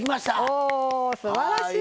おすばらしい！